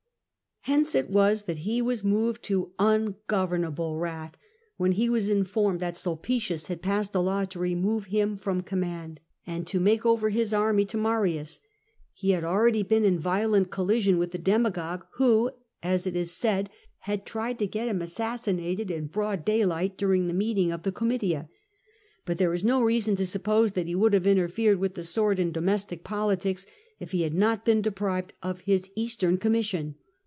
Hence it was that he vras moved to ungovernable wrath when he was informed that Sulpicius had passed a law to remove him from command, and to make over his army to Marius. He had already been in violent collision with the demagogue, who — as it is said — had tried to get him assassinated in broad daylight during the meeting of the Comitia. But there is no reason to suppose that he would have interfered with the sword in domestic politics if he had not been deprived of his Eastern commission.